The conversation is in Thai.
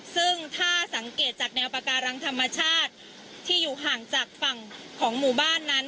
ซึ่งถ้าสังเกตจากแนวปาการังธรรมชาติที่อยู่ห่างจากฝั่งของหมู่บ้านนั้น